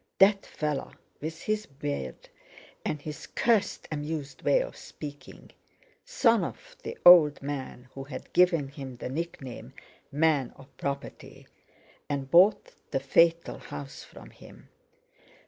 That fellow, with his beard and his cursed amused way of speaking—son of the old man who had given him the nickname "Man of Property," and bought the fatal house from him.